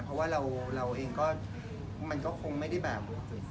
เพราะว่าเราเองก็มันก็คงไม่ได้แบบ